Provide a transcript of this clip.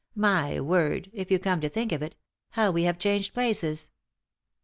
My word 1 if you come to think of it, how we have changed places."